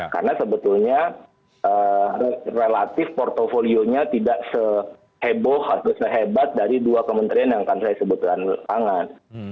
karena sebetulnya relatif portfolio nya tidak seheboh atau sehebat dari dua kementerian yang akan saya sebutkan tangan